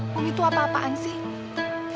umi umi itu apa apaan sih